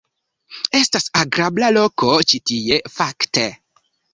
Estas agrabla loko ĉi tie, fakte.